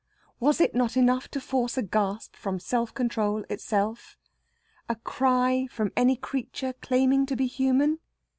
Was it not enough to force a gasp from self control itself? a cry from any creature claiming to be human?